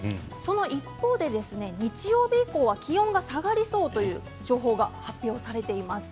一方で日曜日以降は気温が下がりそうという情報が発表されています。